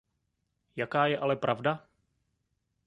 Jaké je ale pravda?